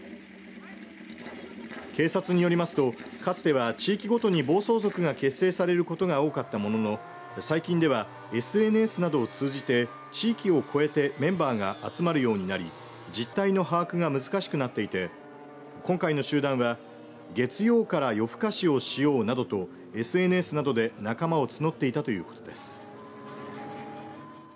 警察によりますと、かつては地域ごとに暴走族が結成されることが多かったものの最近ではＳＮＳなどを通じて地域を越えてメンバーが集まるようになり実態の把握が難しくなっていて今回の集団は月曜から夜更かしをしようなどとＳＮＳなどで仲間を募っていたということです。